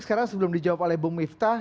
sekarang sebelum dijawab oleh bung miftah